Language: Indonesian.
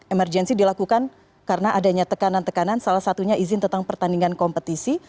emergensi dilakukan karena adanya tekanan tekanan salah satunya izin tentang pertandingan kompetisi